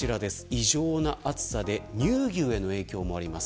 異常な暑さで乳牛への影響もあります。